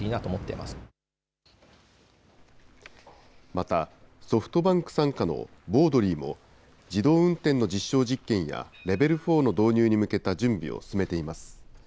また、ソフトバンク傘下のＢＯＬＤＬＹも自動運転の実証実験や、レベル４の導入に向けた準備を進めています。